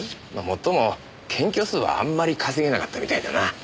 最も検挙数はあんまり稼げなかったみたいだな。